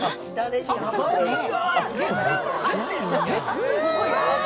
すごい！